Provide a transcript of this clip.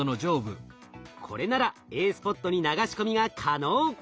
これならＡスポットに流し込みが可能。